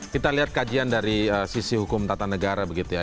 kita lihat kajian dari sisi hukum tata negara begitu ya